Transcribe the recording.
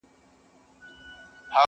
سمت او رنګ ژبه نژاد یې ازلي راکړي نه دي،